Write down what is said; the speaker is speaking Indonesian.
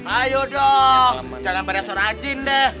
ayo dong jangan beresor rajin deh